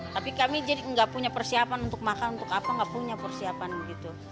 tapi kami jadi nggak punya persiapan untuk makan untuk apa nggak punya persiapan begitu